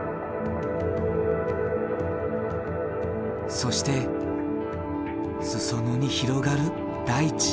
そして裾野に広がる大地。